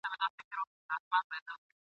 زرکي وویل زما ژوند به دي په کار سي !.